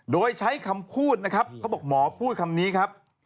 โดยใช้คำพูดนะครับเขาบอกหมอพูดคำนี้ครับ